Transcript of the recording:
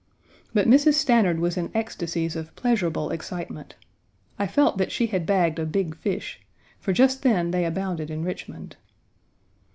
But Mrs. Stanard was in ecstasies of pleasurable excitement. I felt that she had bagged a big fish, for just then they abounded in Richmond.